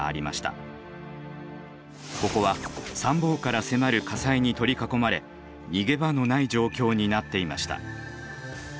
ここは三方から迫る火災に取り囲まれ逃げ場のない状況になっていました。